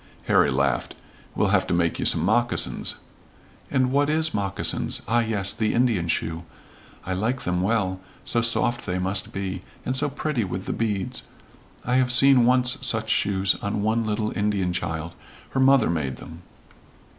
Harry laughed. "We'll have to make you some moccasins." "And what is moccasins? Ah, yes, the Indian shoe. I like them well, so soft they must be, and so pretty with the beads. I have seen once such shoes on one little Indian child. Her mother made them."